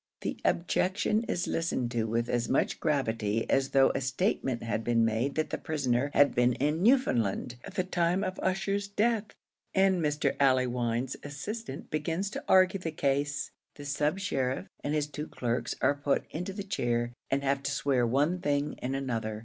The objection is listened to with as much gravity as though a statement had been made that the prisoner had been in Newfoundland at the time of Ussher's death, and Mr. Allewinde's assistant begins to argue the case. The sub sheriff and his two clerks are put into the chair, and have to swear one thing and another.